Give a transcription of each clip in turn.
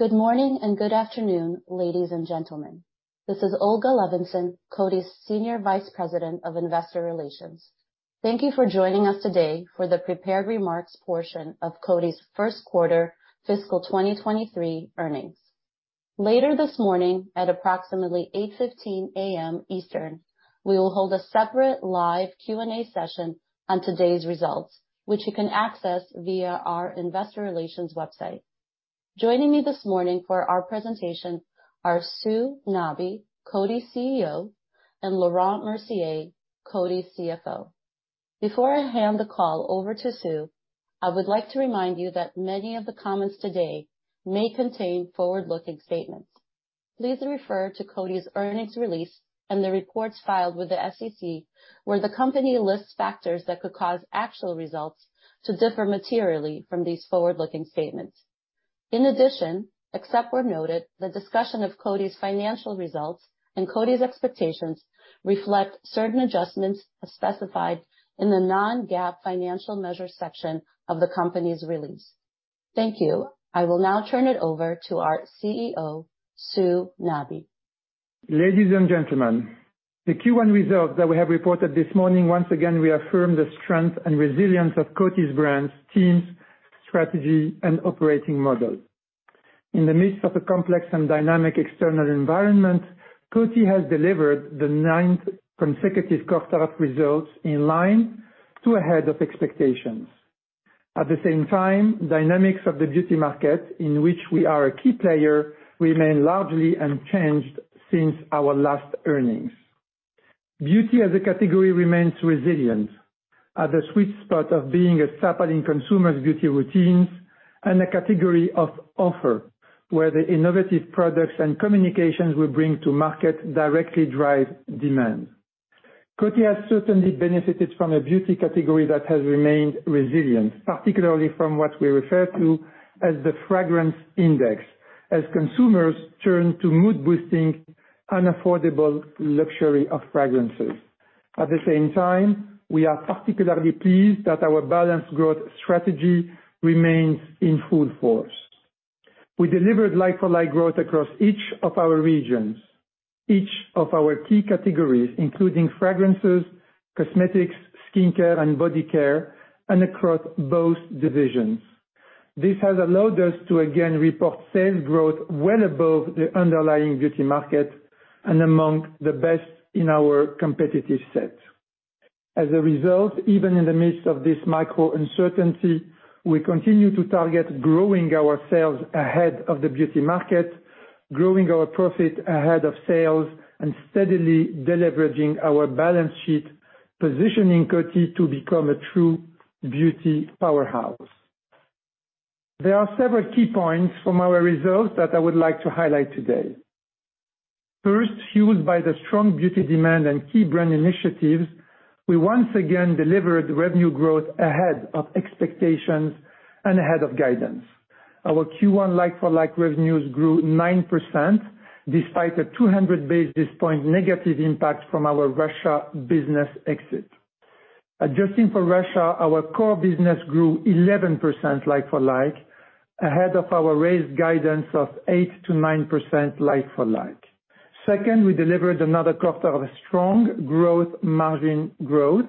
Good morning and good afternoon, ladies and gentlemen. This is Olga Levinzon, Coty's Senior Vice President, Investor Relations. Thank you for joining us today for the prepared remarks portion of Coty's first quarter fiscal 2023 earnings. Later this morning, at approximately 8:15 A.M. Eastern, we will hold a separate live Q&A session on today's results, which you can access via our investor relations website. Joining me this morning for our presentation are Sue Nabi, Coty's CEO, and Laurent Mercier, Coty's CFO. Before I hand the call over to Sue, I would like to remind you that many of the comments today may contain forward-looking statements. Please refer to Coty's earnings release and the reports filed with the SEC, where the company lists factors that could cause actual results to differ materially from these forward-looking statements. In addition, except where noted, the discussion of Coty's financial results and Coty's expectations reflect certain adjustments as specified in the non-GAAP financial measures section of the company's release. Thank you. I will now turn it over to our CEO, Sue Nabi. Ladies and gentlemen, the Q1 results that we have reported this morning once again reaffirm the strength and resilience of Coty's brands, teams, strategy, and operating model. In the midst of a complex and dynamic external environment, Coty has delivered the ninth consecutive quarter of results in line to ahead of expectations. At the same time, dynamics of the beauty market, in which we are a key player, remain largely unchanged since our last earnings. Beauty as a category remains resilient at the sweet spot of being a staple in consumers' beauty routines and a category of offer, where the innovative products and communications we bring to market directly drive demand. Coty has certainly benefited from a beauty category that has remained resilient, particularly from what we refer to as the fragrance index, as consumers turn to mood-boosting and affordable luxury of fragrances. At the same time, we are particularly pleased that our balanced growth strategy remains in full force. We delivered like-for-like growth across each of our regions, each of our key categories, including fragrances, cosmetics, skincare, and body care, and across both divisions. This has allowed us to again report sales growth well above the underlying beauty market and among the best in our competitive set. As a result, even in the midst of this macro uncertainty, we continue to target growing our sales ahead of the beauty market, growing our profit ahead of sales, and steadily deleveraging our balance sheet, positioning Coty to become a true beauty powerhouse. There are several key points from our results that I would like to highlight today. First, fueled by the strong beauty demand and key brand initiatives, we once again delivered revenue growth ahead of expectations and ahead of guidance. Our Q1 like-for-like revenues grew 9% despite a 200 basis point negative impact from our Russia business exit. Adjusting for Russia, our core business grew 11% like for like, ahead of our raised guidance of 8%-9% like for like. Second, we delivered another quarter of strong growth, margin growth,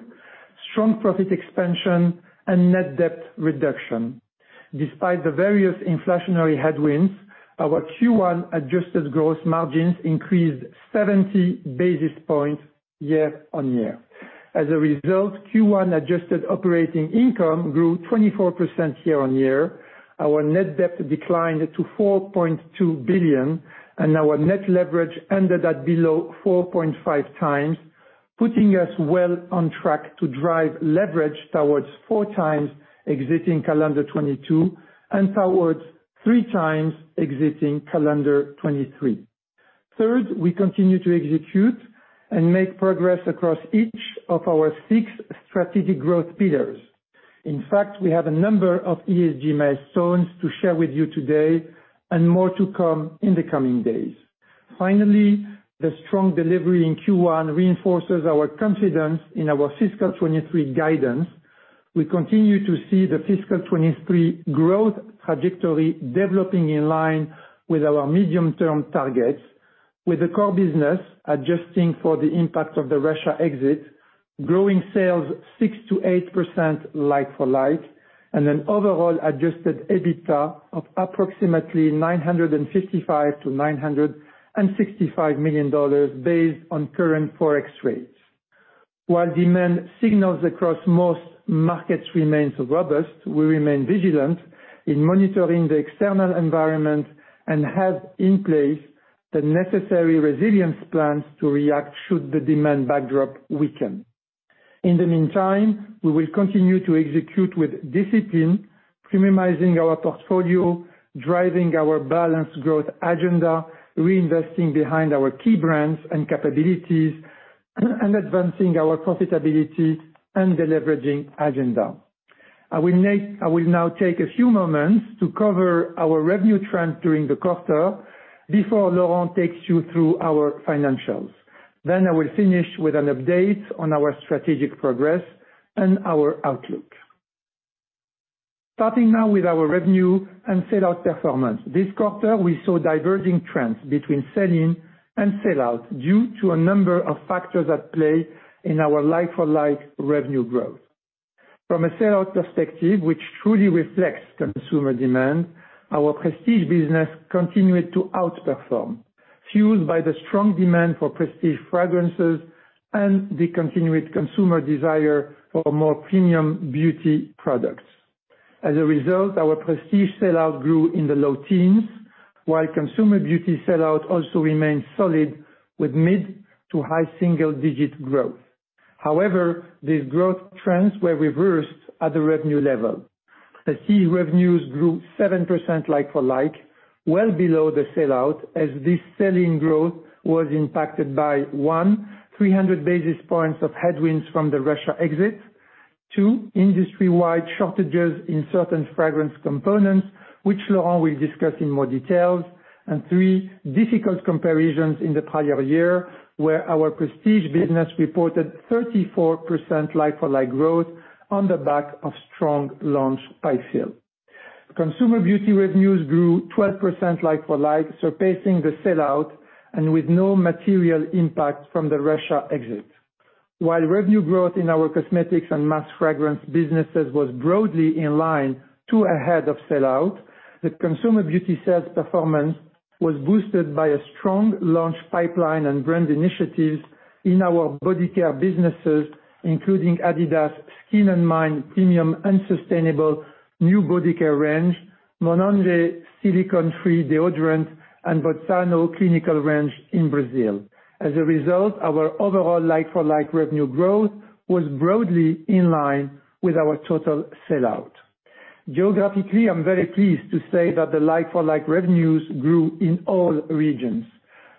strong profit expansion, and net debt reduction. Despite the various inflationary headwinds, our Q1 adjusted gross margins increased 70 basis points year-on-year. As a result, Q1 adjusted operating income grew 24% year-on-year. Our net debt declined to $4.2 billion, and our net leverage ended at below 4.5x, putting us well on track to drive leverage towards 4x exiting calendar 2022 and towards 3x exiting calendar 2023. Third, we continue to execute and make progress across each of our six strategic growth pillars. In fact, we have a number of ESG milestones to share with you today and more to come in the coming days. Finally, the strong delivery in Q1 reinforces our confidence in our fiscal 2023 guidance. We continue to see the fiscal 2023 growth trajectory developing in line with our medium-term targets, with the core business adjusting for the impact of the Russia exit, growing sales 6%-8% like-for-like, and an overall adjusted EBITDA of approximately $955 million-$965 million based on current Forex rates. While demand signals across most markets remains robust, we remain vigilant in monitoring the external environment and have in place the necessary resilience plans to react should the demand backdrop weaken. In the meantime, we will continue to execute with discipline, premiumizing our portfolio, driving our balanced growth agenda, reinvesting behind our key brands and capabilities, and advancing our profitability and deleveraging agenda. I will now take a few moments to cover our revenue trend during the quarter before Laurent takes you through our financials. Then I will finish with an update on our strategic progress and our outlook. Starting now with our revenue and sell-out performance. This quarter, we saw diverging trends between sell-in and sell-out due to a number of factors at play in our like-for-like revenue growth. From a sell-out perspective, which truly reflects consumer demand, our prestige business continued to outperform, fueled by the strong demand for prestige fragrances and the continued consumer desire for more premium beauty products. As a result, our prestige sell-out grew in the low teens, while consumer beauty sell-out also remained solid with mid- to high-single-digit growth. However, these growth trends were reversed at the revenue level. Key revenues grew 7% like-for-like, well below the sell-out as this sell-in growth was impacted by one, 300 basis points of headwinds from the Russia exit. Two, industry-wide shortages in certain fragrance components, which Laurent will discuss in more detail. Three, difficult comparisons in the prior year, where our prestige business reported 34% like-for-like growth on the back of strong launch pipeline fill. Consumer beauty revenues grew 12% like-for-like, surpassing the sell-out and with no material impact from the Russia exit. While revenue growth in our cosmetics and mass fragrance businesses was broadly in line to ahead of sellout, the consumer beauty sales performance was boosted by a strong launch pipeline and brand initiatives in our body care businesses, including adidas Active Skin & Mind, premium and sustainable new body care range, Monange silicone-free deodorant and Botano clinical range in Brazil. As a result, our overall like-for-like revenue growth was broadly in line with our total sellout. Geographically, I'm very pleased to say that the like-for-like revenues grew in all regions.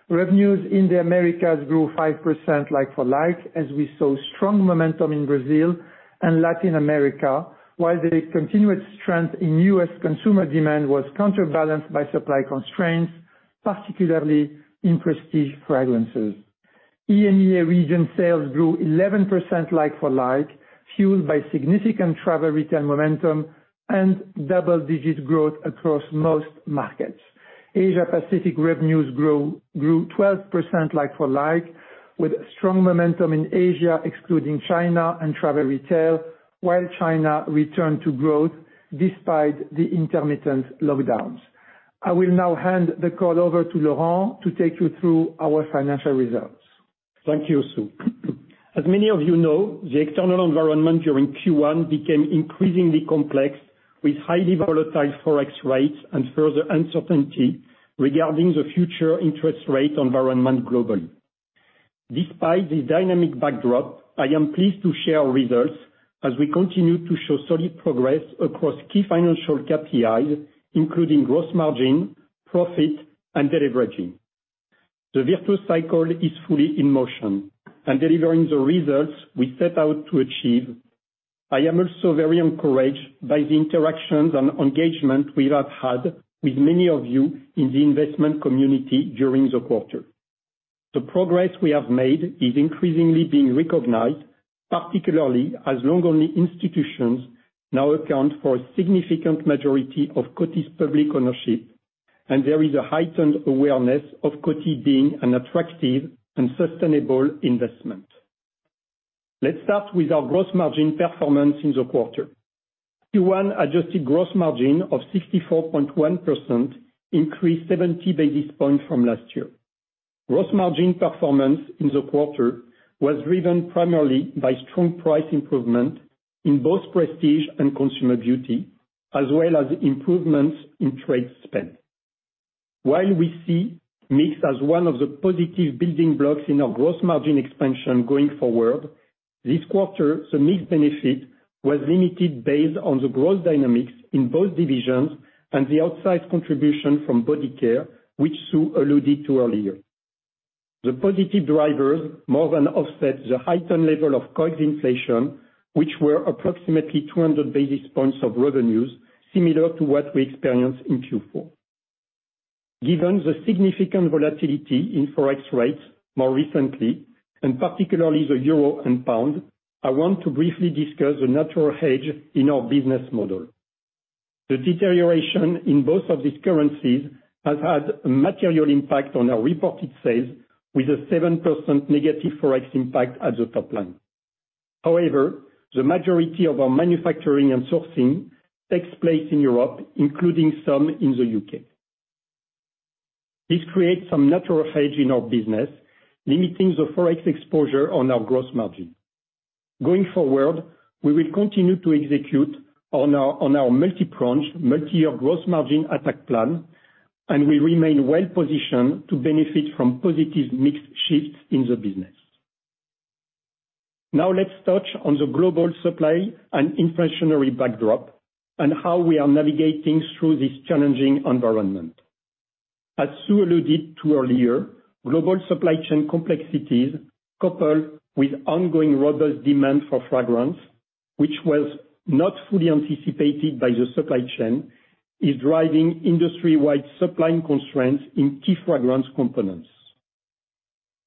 Revenues in the Americas grew 5% like-for-like, as we saw strong momentum in Brazil and Latin America, while the continued strength in U.S. consumer demand was counterbalanced by supply constraints, particularly in prestige fragrances. EMEA region sales grew 11% like-for-like, fueled by significant travel retail momentum and double-digit growth across most markets. Asia Pacific revenues grew 12% like-for-like, with strong momentum in Asia, excluding China and travel retail, while China returned to growth despite the intermittent lockdowns. I will now hand the call over to Laurent Mercier to take you through our financial results. Thank you, Sue. As many of you know, the external environment during Q1 became increasingly complex with highly volatile Forex rates and further uncertainty regarding the future interest rate environment globally. Despite the dynamic backdrop, I am pleased to share our results as we continue to show solid progress across key financial KPIs, including gross margin, profit and deleveraging. The virtuous cycle is fully in motion and delivering the results we set out to achieve. I am also very encouraged by the interactions and engagement we have had with many of you in the investment community during the quarter. The progress we have made is increasingly being recognized, particularly as long-only institutions now account for a significant majority of Coty's public ownership, and there is a heightened awareness of Coty being an attractive and sustainable investment. Let's start with our gross margin performance in the quarter. Q1 adjusted gross margin of 64.1% increased 70 basis points from last year. Gross margin performance in the quarter was driven primarily by strong price improvement in both prestige and consumer beauty, as well as improvements in trade spend. While we see mix as one of the positive building blocks in our gross margin expansion going forward, this quarter, the mix benefit was limited based on the growth dynamics in both divisions and the outsized contribution from body care, which Sue alluded to earlier. The positive drivers more than offset the heightened level of COGS inflation, which were approximately 200 basis points of revenues, similar to what we experienced in Q4. Given the significant volatility in Forex rates more recently, and particularly the euro and pound, I want to briefly discuss the natural hedge in our business model. The deterioration in both of these currencies has had a material impact on our reported sales with a 7% negative Forex impact at the top line. However, the majority of our manufacturing and sourcing takes place in Europe, including some in the UK. This creates some natural hedge in our business, limiting the Forex exposure on our gross margin. Going forward, we will continue to execute on our multi-pronged, multi-year gross margin attack plan, and we remain well-positioned to benefit from positive mix shifts in the business. Now let's touch on the global supply and inflationary backdrop and how we are navigating through this challenging environment. As Sue alluded to earlier, global supply chain complexities coupled with ongoing robust demand for fragrance, which was not fully anticipated by the supply chain, is driving industry-wide supplying constraints in key fragrance components.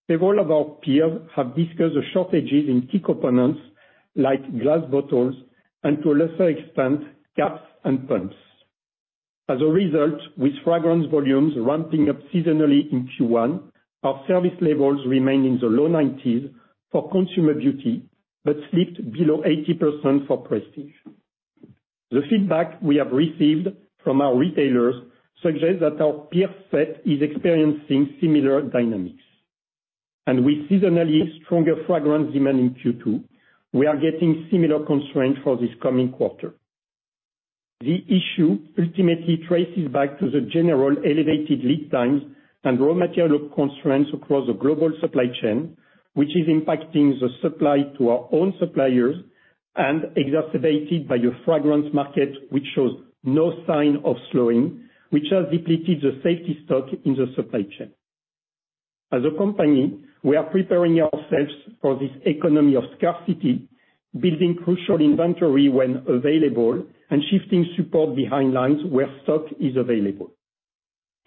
Several of our peers have discussed the shortages in key components like glass bottles and to a lesser extent, caps and pumps. As a result, with fragrance volumes ramping up seasonally in Q1, our service levels remain in the low 90s for consumer beauty, but slipped below 80% for prestige. The feedback we have received from our retailers suggests that our peer set is experiencing similar dynamics. With seasonally stronger fragrance demand in Q2, we are getting similar constraints for this coming quarter. The issue ultimately traces back to the general elevated lead times and raw material constraints across the global supply chain, which is impacting the supply to our own suppliers and exacerbated by a fragrance market which shows no sign of slowing, which has depleted the safety stock in the supply chain. As a company, we are preparing ourselves for this economy of scarcity, building crucial inventory when available and shifting support behind lines where stock is available.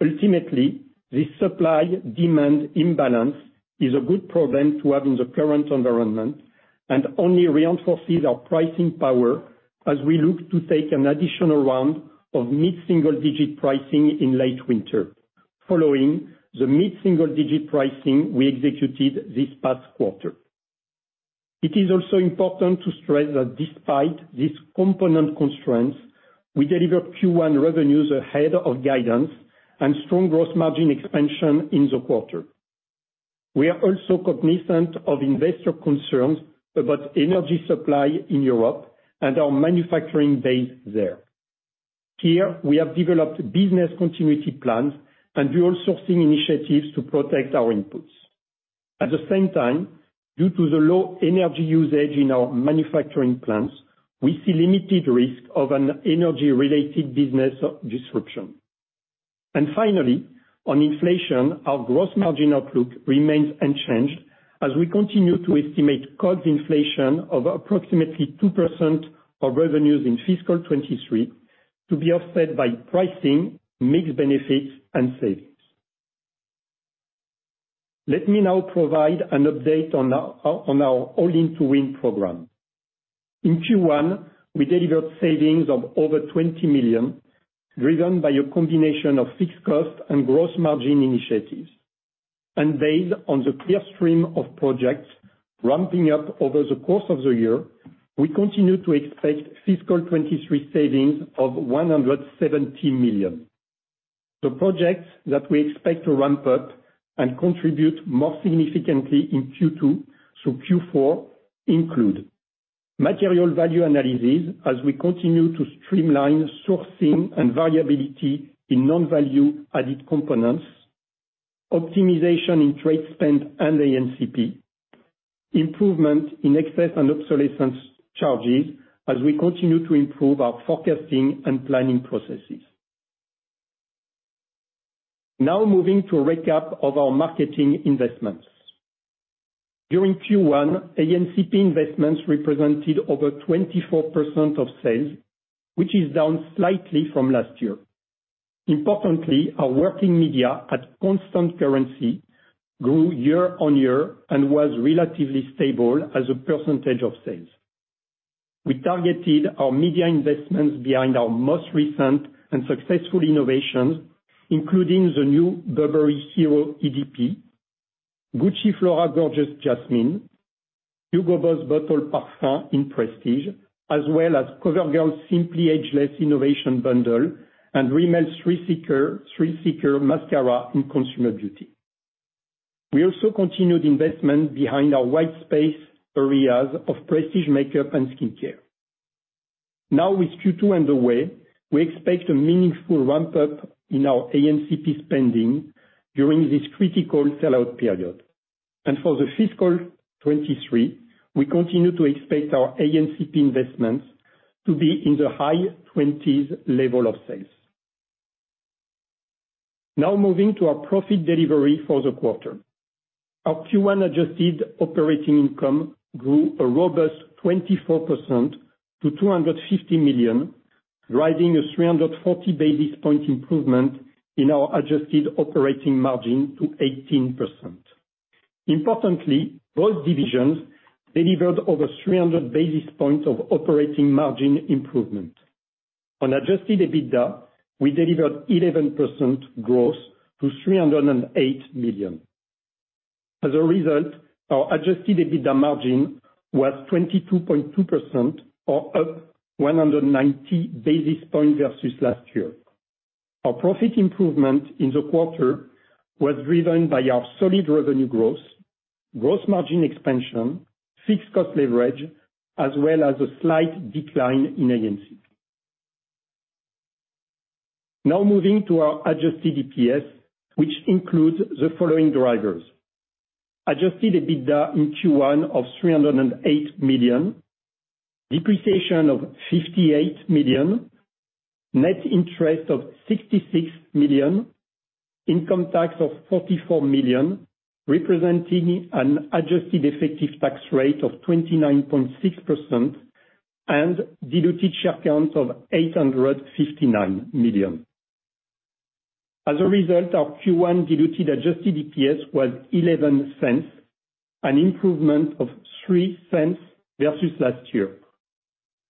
Ultimately, this supply-demand imbalance is a good problem to have in the current environment and only reinforces our pricing power as we look to take an additional round of mid-single digit pricing in late winter, following the mid-single digit pricing we executed this past quarter. It is also important to stress that despite these component constraints, we delivered Q1 revenues ahead of guidance and strong gross margin expansion in the quarter. We are also cognizant of investor concerns about energy supply in Europe and our manufacturing base there. Here, we have developed business continuity plans and dual sourcing initiatives to protect our inputs. At the same time, due to the low energy usage in our manufacturing plants, we see limited risk of an energy-related business disruption. Finally, on inflation, our gross margin outlook remains unchanged as we continue to estimate COGS inflation of approximately 2% of revenues in fiscal 2023 to be offset by pricing, mix benefits and savings. Let me now provide an update on our All In to Win program. In Q1, we delivered savings of over $20 million, driven by a combination of fixed costs and gross margin initiatives. Based on the clear stream of projects ramping up over the course of the year, we continue to expect fiscal 2023 savings of $170 million. The projects that we expect to ramp up and contribute more significantly in Q2 through Q4 include material value analysis as we continue to streamline sourcing and variability in non-value-added components, optimization in trade spend and A&CP, improvement in excess and obsolescence charges as we continue to improve our forecasting and planning processes. Now moving to a recap of our marketing investments. During Q1, A&CP investments represented over 24% of sales, which is down slightly from last year. Importantly, our working media at constant currency grew year-on-year and was relatively stable as a percentage of sales. We targeted our media investments behind our most recent and successful innovations, including the new Burberry Hero EDP, Gucci Flora Gorgeous Jasmine, Hugo Boss Bottled Parfum in prestige, as well as COVERGIRL's Simply Ageless innovation bundle, and Rimmel's Thrill Seeker Mascara in consumer beauty. We also continued investment behind our white space areas of prestige makeup and skincare. Now with Q2 underway, we expect a meaningful ramp-up in our A&CP spending during this critical sellout period. For the fiscal 2023, we continue to expect our A&CP investments to be in the high twenties level of sales. Now moving to our profit delivery for the quarter. Our Q1 adjusted operating income grew a robust 24% to $250 million, driving a 340 basis point improvement in our adjusted operating margin to 18%. Importantly, both divisions delivered over 300 basis points of operating margin improvement. On adjusted EBITDA, we delivered 11% growth to $308 million. As a result, our adjusted EBITDA margin was 22.2% or up 190 basis points versus last year. Our profit improvement in the quarter was driven by our solid revenue growth, gross margin expansion, fixed cost leverage, as well as a slight decline in A&CP. Now moving to our adjusted EPS, which includes the following drivers: adjusted EBITDA in Q1 of $308 million, depreciation of $58 million. Net interest of $66 million. Income tax of $44 million, representing an adjusted effective tax rate of 29.6%, and diluted share count of 859 million. As a result, our Q1 diluted adjusted EPS was $0.11, an improvement of 3 cents versus last year.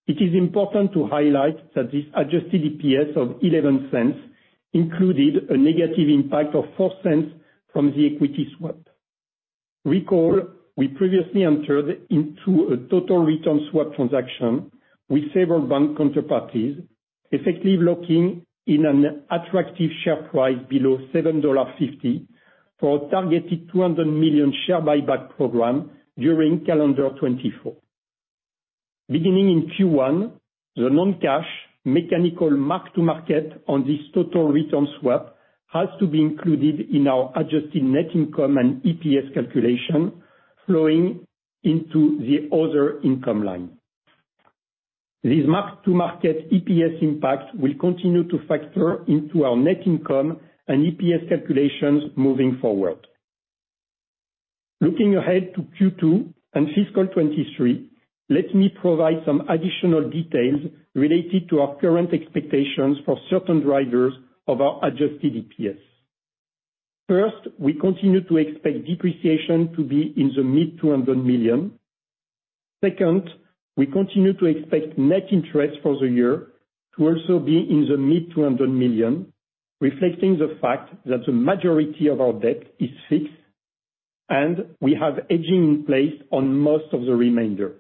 It is important to highlight that this adjusted EPS of $0.11 included a negative impact of 4 cents from the equity swap. Recall, we previously entered into a total return swap transaction with several bank counterparties, effectively locking in an attractive share price below $7.50 for a targeted $200 million share buyback program during calendar 2024. Beginning in Q1, the non-cash mechanical mark-to-market on this total return swap has to be included in our adjusted net income and EPS calculation flowing into the other income line. This mark-to-market EPS impact will continue to factor into our net income and EPS calculations moving forward. Looking ahead to Q2 and fiscal 2023, let me provide some additional details related to our current expectations for certain drivers of our adjusted EPS. First, we continue to expect depreciation to be in the mid-$200 million. Second, we continue to expect net interest for the year to also be in the mid-$200 million, reflecting the fact that the majority of our debt is fixed, and we have hedging in place on most of the remainder.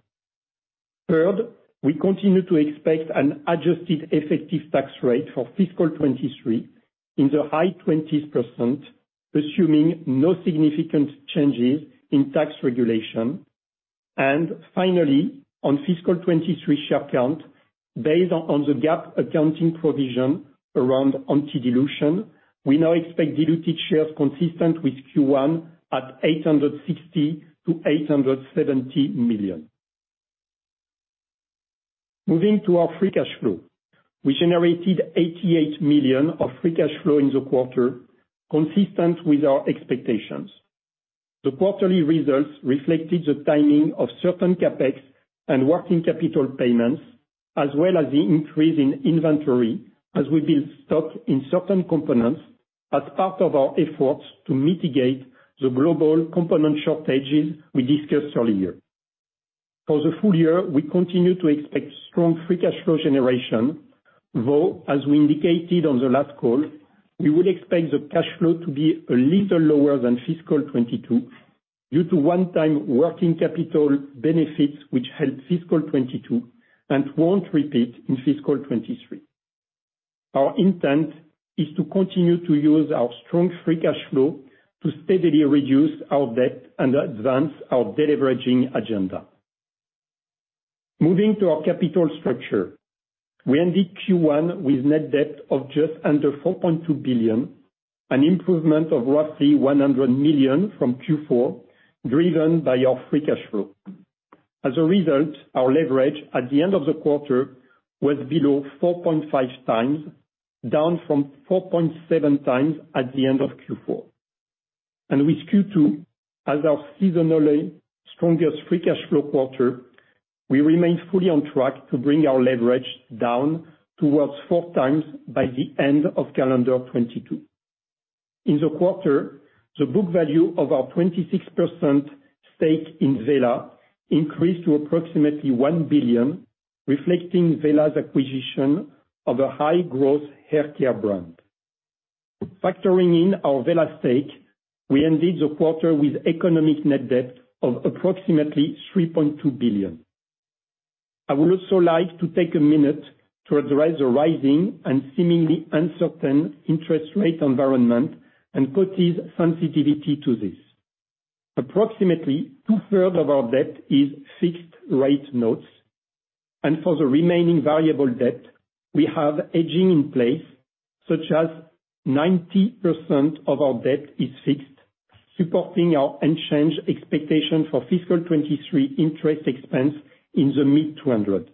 Third, we continue to expect an adjusted effective tax rate for fiscal 2023 in the high 20s%, assuming no significant changes in tax regulation. Finally, on fiscal 2023 share count, based on the GAAP accounting provision around anti-dilution, we now expect diluted shares consistent with Q1 at 860 million-870 million. Moving to our free cash flow. We generated $88 million of free cash flow in the quarter, consistent with our expectations. The quarterly results reflected the timing of certain CapEx and working capital payments, as well as the increase in inventory as we build stock in certain components as part of our efforts to mitigate the global component shortages we discussed earlier. For the full year, we continue to expect strong free cash flow generation, though, as we indicated on the last call, we would expect the cash flow to be a little lower than fiscal 2022 due to one-time working capital benefits which helped fiscal 2022 and won't repeat in fiscal 2023. Our intent is to continue to use our strong free cash flow to steadily reduce our debt and advance our deleveraging agenda. Moving to our capital structure. We ended Q1 with net debt of just under $4.2 billion, an improvement of roughly $100 million from Q4, driven by our free cash flow. As a result, our leverage at the end of the quarter was below 4.5x, down from 4.7x at the end of Q4. With Q2 as our seasonally strongest free cash flow quarter, we remain fully on track to bring our leverage down towards 4x by the end of calendar 2022. In the quarter, the book value of our 26% stake in Wella increased to approximately $1 billion, reflecting Wella's acquisition of a high-growth haircare brand. Factoring in our Wella stake, we ended the quarter with economic net debt of approximately $3.2 billion. I would also like to take a minute to address the rising and seemingly uncertain interest rate environment and Coty's sensitivity to this. Approximately two-thirds of our debt is fixed rate notes, and for the remaining variable debt, we have hedging in place, such as 90% of our debt is fixed, supporting our unchanged expectation for fiscal 2023 interest expense in the mid-$200 million.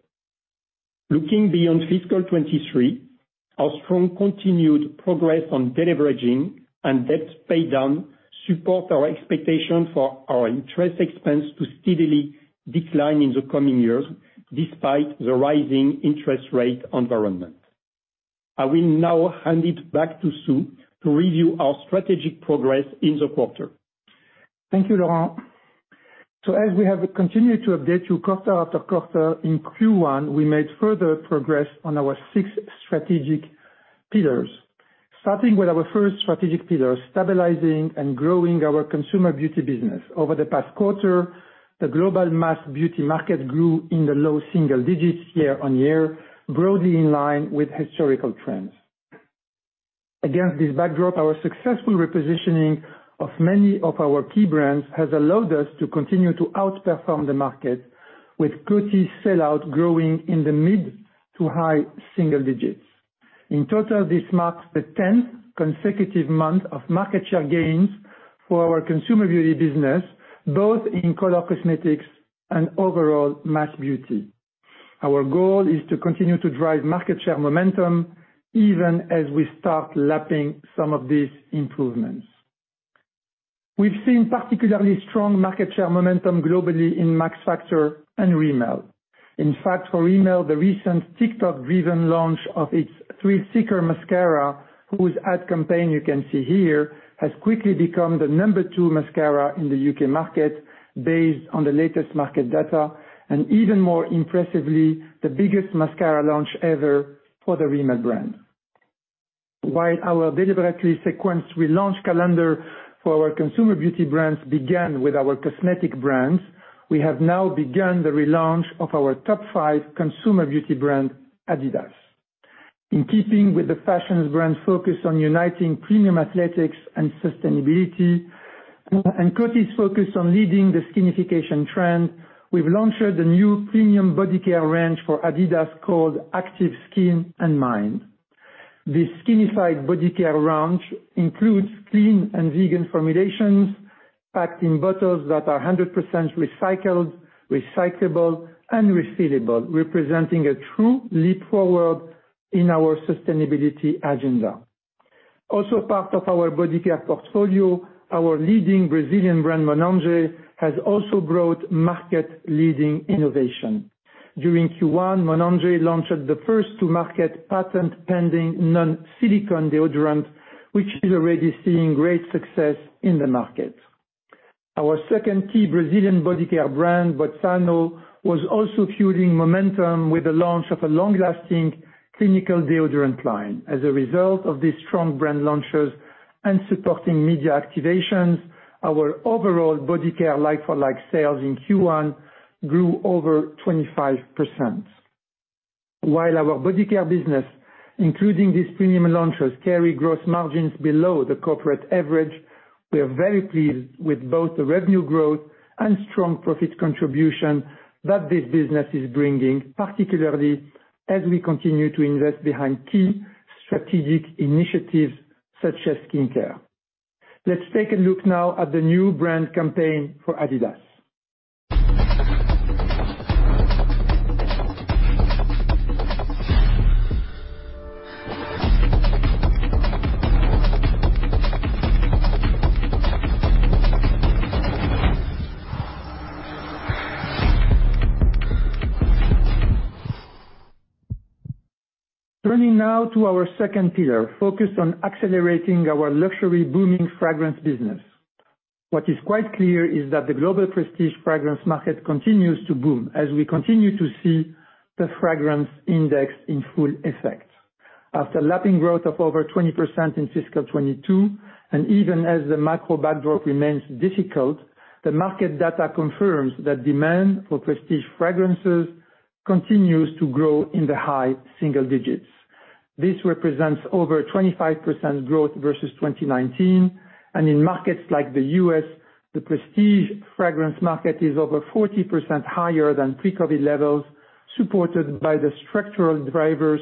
Looking beyond fiscal 2023, our strong continued progress on deleveraging and debt paydown support our expectation for our interest expense to steadily decline in the coming years despite the rising interest rate environment. I will now hand it back to Sue to review our strategic progress in the quarter. Thank you, Laurent. As we have continued to update you quarter after quarter, in Q1, we made further progress on our six strategic pillars. Starting with our first strategic pillar, stabilizing and growing our consumer beauty business. Over the past quarter, the global mass beauty market grew in the low single digits year-over-year, broadly in line with historical trends. Against this backdrop, our successful repositioning of many of our key brands has allowed us to continue to outperform the market with Coty's sell-out growing in the mid to high single digits. In total, this marks the tenth consecutive month of market share gains for our consumer beauty business, both in color cosmetics and overall mass beauty. Our goal is to continue to drive market share momentum even as we start lapping some of these improvements. We've seen particularly strong market share momentum globally in Max Factor and Rimmel. In fact, for Rimmel, the recent TikTok-driven launch of its Thrill Seeker Mascara, whose ad campaign you can see here, has quickly become the number two mascara in the UK market based on the latest market data, and even more impressively, the biggest mascara launch ever for the Rimmel brand. While our deliberately sequenced relaunch calendar for our consumer beauty brands began with our cosmetic brands, we have now begun the relaunch of our top five consumer beauty brand, adidas. In keeping with the fashion brand's focus on uniting premium athletics and sustainability, and Coty's focus on leading the skinification trend, we've launched the new premium body care range for adidas called Active Skin & Mind. This skinified body care range includes clean and vegan formulations packed in bottles that are 100% recycled, recyclable and refillable, representing a true leap forward in our sustainability agenda. Also part of our body care portfolio, our leading Brazilian brand, Monange, has also brought market-leading innovation. During Q1, Monange launched the first-to-market patent-pending non-silicone deodorant, which is already seeing great success in the market. Our second key Brazilian body care brand, Boticário, was also fueling momentum with the launch of a long-lasting clinical deodorant line. As a result of these strong brand launches and supporting media activations, our overall body care like-for-like sales in Q1 grew over 25%. While our body care business, including these premium launches, carry gross margins below the corporate average, we are very pleased with both the revenue growth and strong profit contribution that this business is bringing, particularly as we continue to invest behind key strategic initiatives such as skincare. Let's take a look now at the new brand campaign for adidas. Turning now to our second pillar, focused on accelerating our luxury booming fragrance business. What is quite clear is that the global prestige fragrance market continues to boom as we continue to see the fragrance index in full effect. After lapping growth of over 20% in fiscal 2022, and even as the macro backdrop remains difficult, the market data confirms that demand for prestige fragrances continues to grow in the high single digits. This represents over 25% growth versus 2019, and in markets like the U.S., the prestige fragrance market is over 40% higher than pre-COVID levels, supported by the structural drivers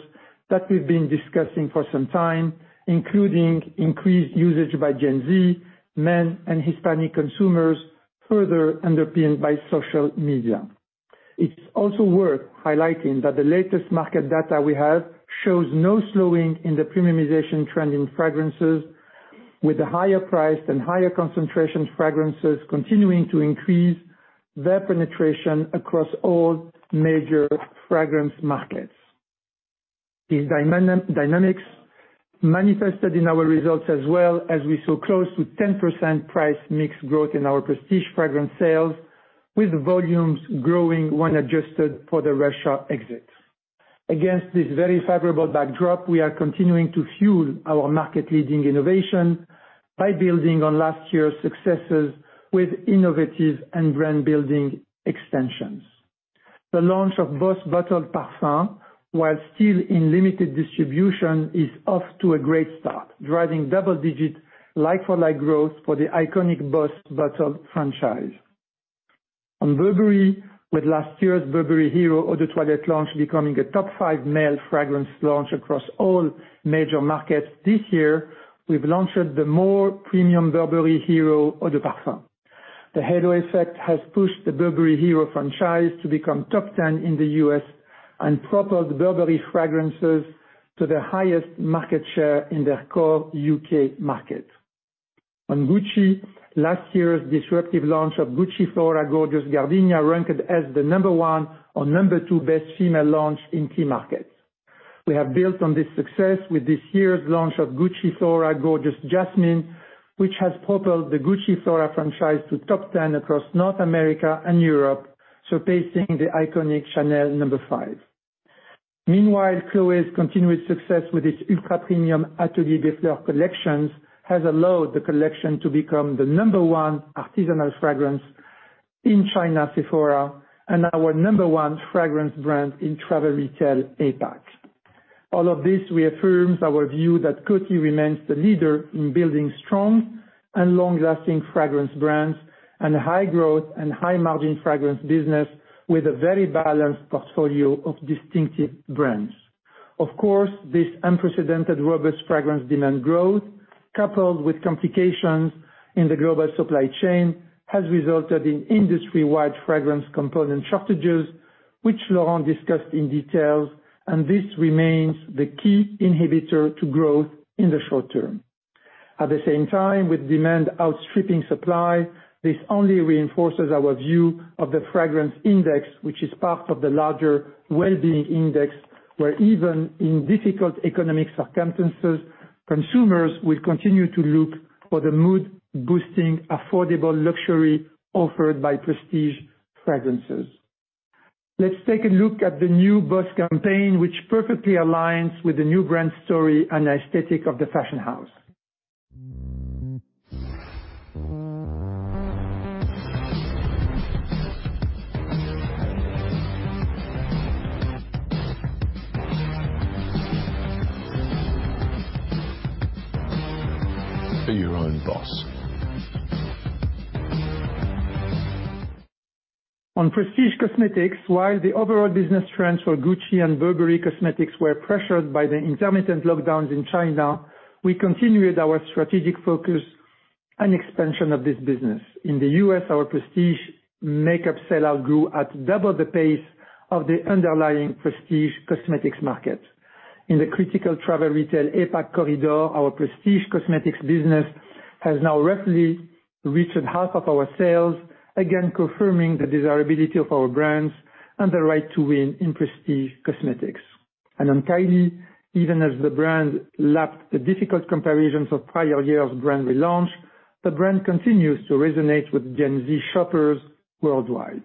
that we've been discussing for some time, including increased usage by Gen Z, men and Hispanic consumers, further underpinned by social media. It's also worth highlighting that the latest market data we have shows no slowing in the premiumization trend in fragrances, with the higher priced and higher concentration fragrances continuing to increase their penetration across all major fragrance markets. These dynamics manifested in our results as well, as we saw close to 10% price mix growth in our prestige fragrance sales, with volumes growing when adjusted for the Russia exits. Against this very favorable backdrop, we are continuing to fuel our market-leading innovation by building on last year's successes with innovative and brand-building extensions. The launch of BOSS Bottled Parfum, while still in limited distribution, is off to a great start, driving double-digit like-for-like growth for the iconic BOSS Bottled franchise. On Burberry, with last year's Burberry Hero Eau de Toilette launch becoming a top 5 male fragrance launch across all major markets, this year we've launched the more premium Burberry Hero Eau de Parfum. The halo effect has pushed the Burberry Hero franchise to become top 10 in the U.S. and propelled Burberry fragrances to the highest market share in their core U.K. market. On Gucci, last year's disruptive launch of Gucci Flora Gorgeous Gardenia ranked as the number 1 or number 2 best female launch in key markets. We have built on this success with this year's launch of Gucci Flora Gorgeous Jasmine, which has propelled the Gucci Flora franchise to top 10 across North America and Europe, surpassing the iconic Chanel N°5. Meanwhile, Chloé's continued success with its ultra-premium Atelier des Fleurs collections has allowed the collection to become the number one artisanal fragrance in China, Sephora, and our number one fragrance brand in travel retail APAC. All of this reaffirms our view that Coty remains the leader in building strong and long-lasting fragrance brands and high growth and high-margin fragrance business with a very balanced portfolio of distinctive brands. Of course, this unprecedented robust fragrance demand growth, coupled with complications in the global supply chain, has resulted in industry-wide fragrance component shortages, which Laurent discussed in detail, and this remains the key inhibitor to growth in the short term. At the same time, with demand outstripping supply, this only reinforces our view of the fragrance index, which is part of the larger well-being index, where even in difficult economic circumstances, consumers will continue to look for the mood-boosting, affordable luxury offered by prestige fragrances. Let's take a look at the new BOSS campaign, which perfectly aligns with the new brand story and aesthetic of the fashion house. Be your own boss. On prestige cosmetics, while the overall business trends for Gucci and Burberry cosmetics were pressured by the intermittent lockdowns in China, we continued our strategic focus and expansion of this business. In the US, our prestige makeup sellout grew at double the pace of the underlying prestige cosmetics market. In the critical travel retail APAC corridor, our prestige cosmetics business has now roughly reached half of our sales, again confirming the desirability of our brands and the right to win in prestige cosmetics. On Kylie, even as the brand lapsed the difficult comparisons of prior years brand relaunch, the brand continues to resonate with Gen Z shoppers worldwide.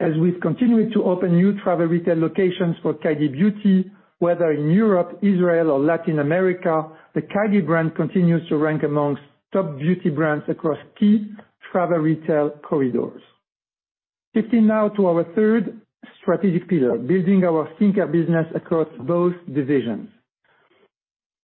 As we've continued to open new travel retail locations for Kylie Beauty, whether in Europe, Israel or Latin America, the Kylie brand continues to rank among top beauty brands across key travel retail corridors. Switching now to our third strategic pillar, building our skincare business across both divisions.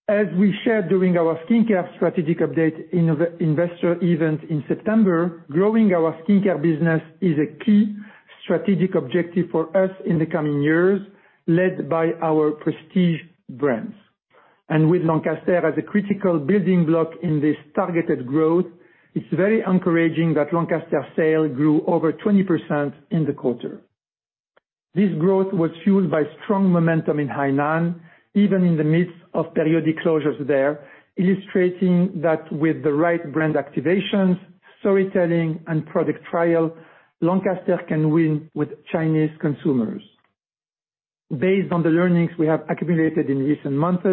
As we shared during our skincare strategic update in an investor event in September, growing our skincare business is a key strategic objective for us in the coming years, led by our prestige brands. With Lancaster as a critical building block in this targeted growth, it's very encouraging that Lancaster's sales grew over 20% in the quarter. This growth was fueled by strong momentum in Hainan, even in the midst of periodic closures there, illustrating that with the right brand activations, storytelling, and product trial, Lancaster can win with Chinese consumers. Based on the learnings we have accumulated in recent months,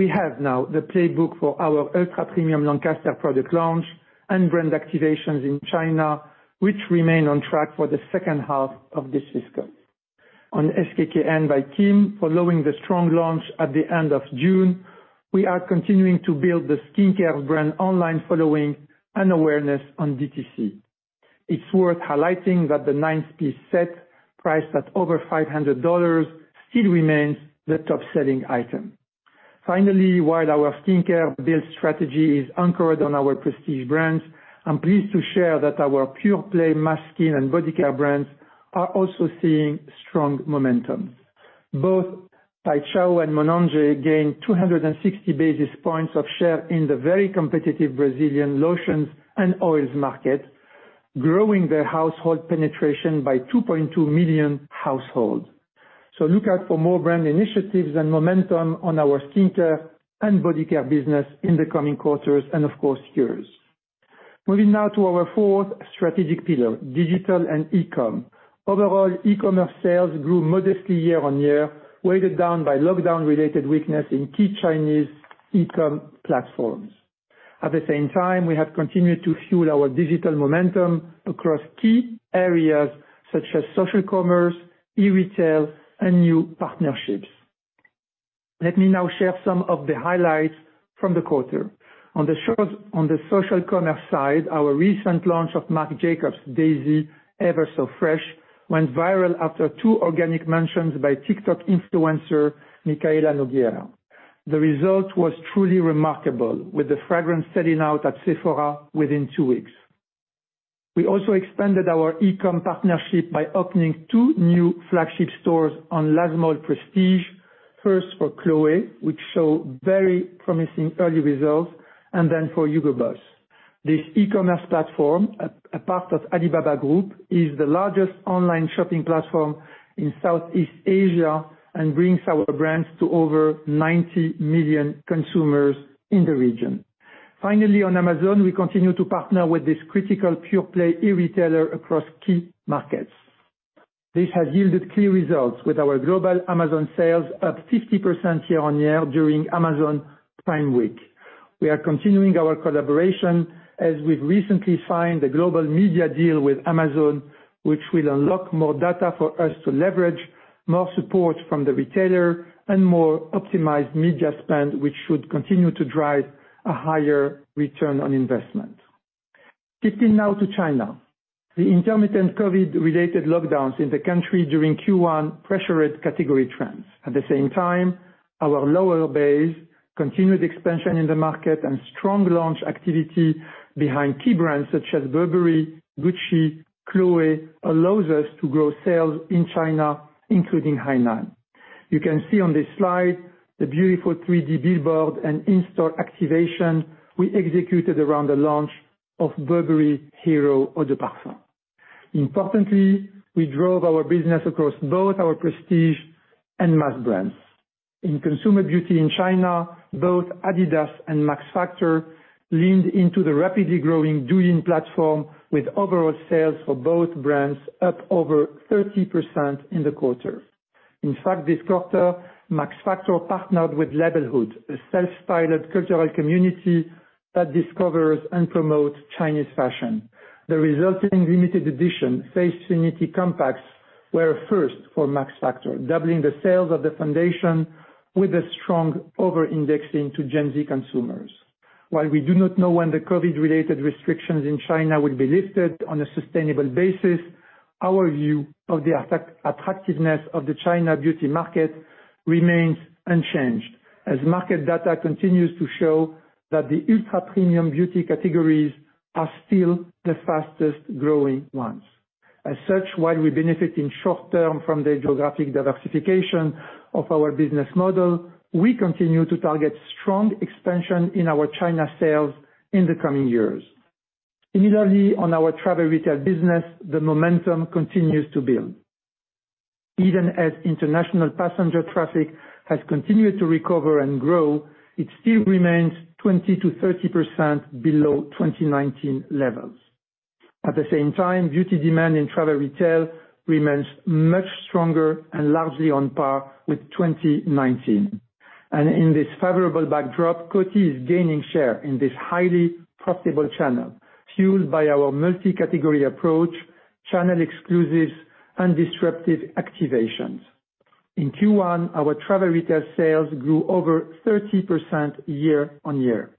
we have now the playbook for our ultra-premium Lancaster product launch and brand activations in China, which remain on track for the second half of this fiscal. On SKKN by Kim, following the strong launch at the end of June, we are continuing to build the skincare brand online following an awareness on DTC. It's worth highlighting that the 9-piece set, priced at over $500, still remains the top-selling item. Finally, while our skincare build strategy is anchored on our prestige brands, I'm pleased to share that our pure-play mass skin and body care brands are also seeing strong momentum. Both Paixão and Monange gained 260 basis points of share in the very competitive Brazilian lotions and oils market, growing their household penetration by 2.2 million households. Look out for more brand initiatives and momentum on our skincare and body care business in the coming quarters, and of course, years. Moving now to our fourth strategic pillar, digital and e-com. Overall, e-commerce sales grew modestly year-over-year, weighted down by lockdown-related weakness in key Chinese e-com platforms. At the same time, we have continued to fuel our digital momentum across key areas such as social commerce, e-retail, and new partnerships. Let me now share some of the highlights from the quarter. On the social commerce side, our recent launch of Marc Jacobs Daisy Ever So Fresh went viral after two organic mentions by TikTok influencer Mikayla Nogueira. The result was truly remarkable, with the fragrance selling out at Sephora within two weeks. We also expanded our e-com partnership by opening two new flagship stores on LazMall Prestige, first for Chloé, which show very promising early results, and then for Hugo Boss. This e-commerce platform, a part of Alibaba Group, is the largest online shopping platform in Southeast Asia and brings our brands to over 90 million consumers in the region. Finally, on Amazon, we continue to partner with this critical pure-play e-retailer across key markets. This has yielded clear results with our global Amazon sales up 50% year-on-year during Amazon Prime week. We are continuing our collaboration as we've recently signed a global media deal with Amazon, which will unlock more data for us to leverage, more support from the retailer, and more optimized media spend, which should continue to drive a higher return on investment. Switching now to China. The intermittent COVID-related lockdowns in the country during Q1 pressured category trends. At the same time, our lower base continued expansion in the market and strong launch activity behind key brands such as Burberry, Gucci, Chloé, allows us to grow sales in China, including Hainan. You can see on this slide the beautiful 3-D billboard and in-store activation we executed around the launch of Burberry Hero Eau de Parfum. Importantly, we drove our business across both our prestige and mass brands. In consumer beauty in China, both adidas and Max Factor leaned into the rapidly growing Douyin platform, with overall sales for both brands up over 30% in the quarter. In fact, this quarter, Max Factor partnered with LABELHOOD, a self-styled cultural community that discovers and promotes Chinese fashion. The resulting limited edition Facefinity compacts were a first for Max Factor, doubling the sales of the foundation with a strong over-indexing to Gen Z consumers. While we do not know when the COVID-related restrictions in China will be lifted on a sustainable basis, our view of the attractiveness of the China beauty market remains unchanged, as market data continues to show that the ultra-premium beauty categories are still the fastest growing ones. As such, while we benefit in short term from the geographic diversification of our business model, we continue to target strong expansion in our China sales in the coming years. Similarly, on our travel retail business, the momentum continues to build. Even as international passenger traffic has continued to recover and grow, it still remains 20%-30% below 2019 levels. At the same time, beauty demand in travel retail remains much stronger and largely on par with 2019. In this favorable backdrop, Coty is gaining share in this highly profitable channel, fueled by our multi-category approach, channel exclusives and disruptive activations. In Q1, our travel retail sales grew over 30% year-on-year.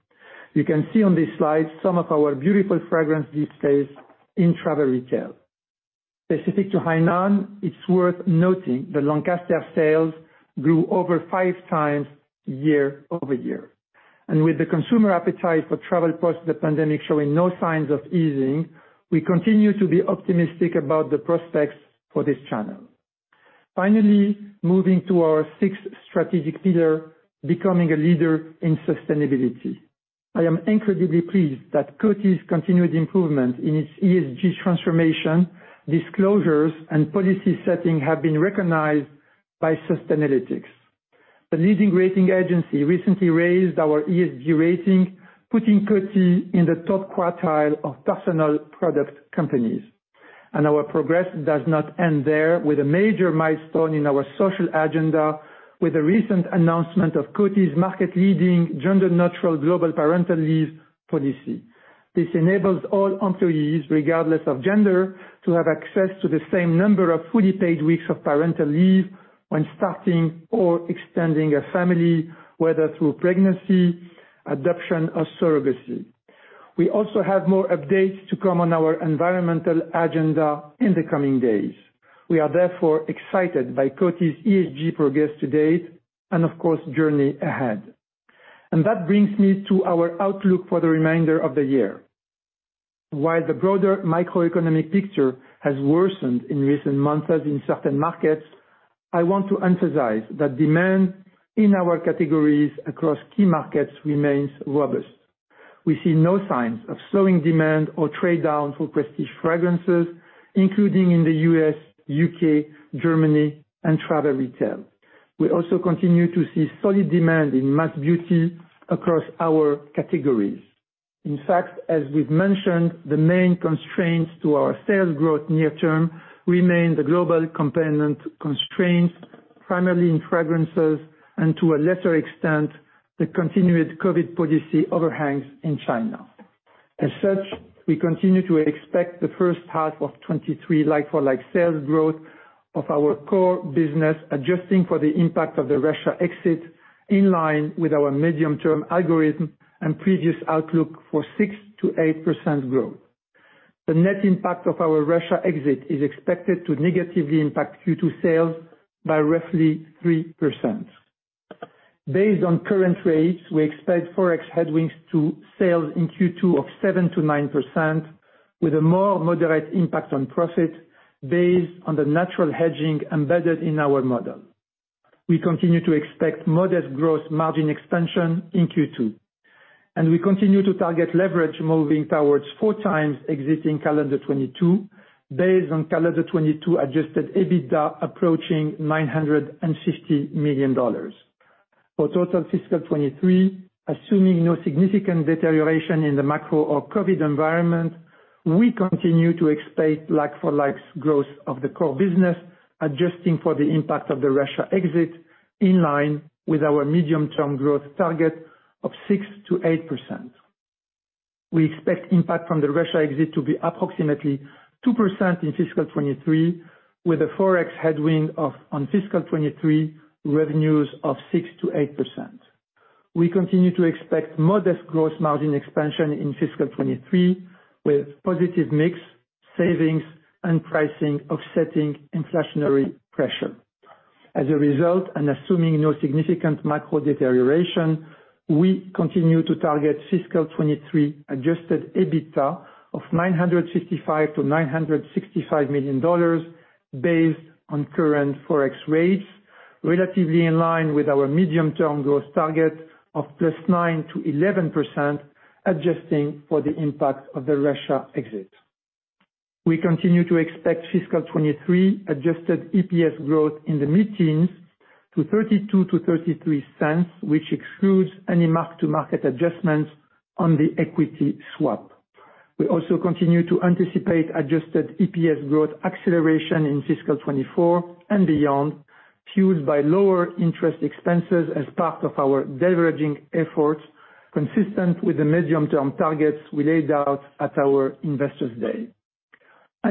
You can see on this slide some of our beautiful fragrance displays in travel retail. Specific to Hainan, it's worth noting that Lancaster sales grew over 5 times year-over-year. With the consumer appetite for travel post the pandemic showing no signs of easing, we continue to be optimistic about the prospects for this channel. Finally, moving to our sixth strategic pillar, becoming a leader in sustainability. I am incredibly pleased that Coty's continued improvement in its ESG transformation, disclosures, and policy setting have been recognized by Sustainalytics. The leading rating agency recently raised our ESG rating, putting Coty in the top quartile of personal product companies. Our progress does not end there, with a major milestone in our social agenda, with the recent announcement of Coty's market-leading gender-neutral global parental leave policy. This enables all employees, regardless of gender, to have access to the same number of fully paid weeks of parental leave when starting or extending a family, whether through pregnancy, adoption, or surrogacy. We also have more updates to come on our environmental agenda in the coming days. We are therefore excited by Coty's ESG progress to date and of course, journey ahead. That brings me to our outlook for the remainder of the year. While the broader microeconomic picture has worsened in recent months in certain markets, I want to emphasize that demand in our categories across key markets remains robust. We see no signs of slowing demand or trade-down for prestige fragrances, including in the U.S., U.K., Germany, and travel retail. We also continue to see solid demand in mass beauty across our categories. In fact, as we've mentioned, the main constraints to our sales growth near term remain the global component constraints, primarily in fragrances and to a lesser extent, the continued COVID policy overhangs in China. As such, we continue to expect the first half of 2023 like-for-like sales growth of our core business, adjusting for the impact of the Russia exit, in line with our medium-term algorithm and previous outlook for 6%-8% growth. The net impact of our Russia exit is expected to negatively impact Q2 sales by roughly 3%. Based on current rates, we expect Forex headwinds to sales in Q2 of 7%-9%, with a more moderate impact on profit based on the natural hedging embedded in our model. We continue to expect modest growth margin expansion in Q2, and we continue to target leverage moving towards 4x existing calendar 2022 based on calendar 2022 adjusted EBITDA approaching $960 million. For total fiscal 2023, assuming no significant deterioration in the macro or COVID environment, we continue to expect like-for-like growth of the core business, adjusting for the impact of the Russia exit in line with our medium-term growth target of 6%-8%. We expect impact from the Russia exit to be approximately 2% in fiscal 2023, with a Forex headwind on fiscal 2023 revenues of 6%-8%. We continue to expect modest gross margin expansion in fiscal 2023, with positive mix, savings, and pricing offsetting inflationary pressure. As a result, and assuming no significant macro deterioration. We continue to target fiscal 2023 adjusted EBITDA of $955 million-$965 million based on current Forex rates, relatively in line with our medium-term growth target of +9%-11%, adjusting for the impact of the Russia exit. We continue to expect fiscal 2023 adjusted EPS growth in the mid-teens to $0.32-$0.33, which excludes any mark-to-market adjustments on the equity swap. We also continue to anticipate adjusted EPS growth acceleration in fiscal 2024 and beyond, fueled by lower interest expenses as part of our deleveraging efforts, consistent with the medium-term targets we laid out at our Investor Day.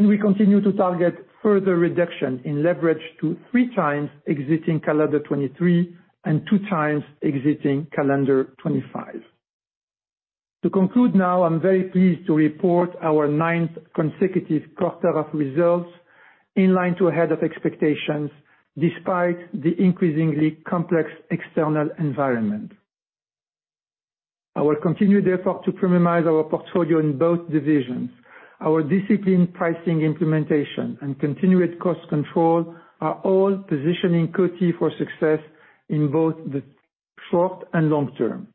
We continue to target further reduction in leverage to three times exiting calendar 2023 and two times exiting calendar 2025. To conclude now, I'm very pleased to report our ninth consecutive quarter of results in line to ahead of expectations despite the increasingly complex external environment. Our continued effort to premiumize our portfolio in both divisions, our disciplined pricing implementation, and continued cost control are all positioning Coty for success in both the short and long term.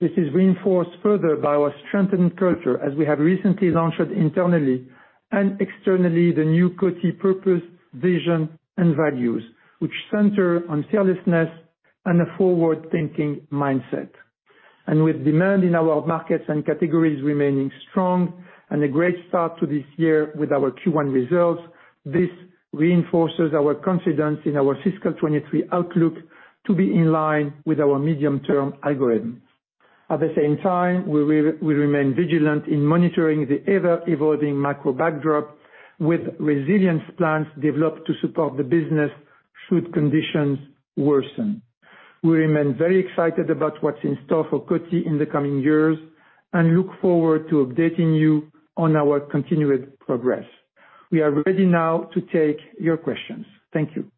This is reinforced further by our strengthened culture, as we have recently launched internally and externally the new Coty purpose, vision, and values, which center on fearlessness and a forward-thinking mindset. With demand in our markets and categories remaining strong and a great start to this year with our Q1 results, this reinforces our confidence in our fiscal 2023 outlook to be in line with our medium-term algorithm. At the same time, we remain vigilant in monitoring the ever-evolving macro backdrop with resilience plans developed to support the business should conditions worsen. We remain very excited about what's in store for Coty in the coming years and look forward to updating you on our continued progress. We are ready now to take your questions. Thank you.